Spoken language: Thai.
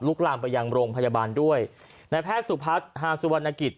ลุกลามไปยังโรงพยาบาลด้วยและแพทย์สุพรรษภาพสุธวรรณกิจ